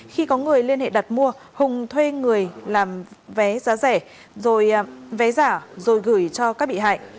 khi có người liên hệ đặt mua hùng thuê người làm vé giá rẻ rồi vé giả rồi gửi cho các bị hại